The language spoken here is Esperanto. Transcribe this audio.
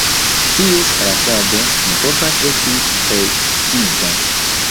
Ties klasado, ne povas esti preciza.